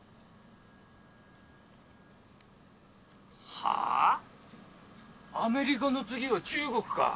はぁアメリカの次は中国か。